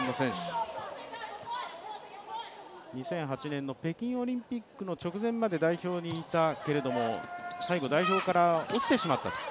２００８年の北京オリンピックの直前まで代表にいたけれども、最後、代表から落ちてしまった。